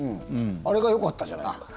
あれがよかったじゃないですか。